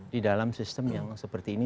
di dalam sistem yang seperti ini